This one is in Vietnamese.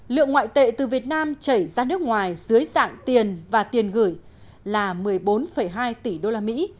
lượng ngoại tệ từ việt nam chảy ra nước ngoài dưới dạng tiền và tiền gửi là một mươi bốn hai tỷ usd